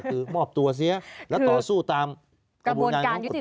คือมอบตัวเสียและต่อสู้ตามกระบวนการยุติธรรม